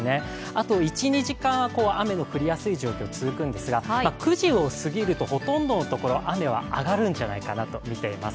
あと１２時間は雨の降りやすい状況が続くんですが９時を過ぎるとほとんどのところ雨は上がるんじゃないかなとみています。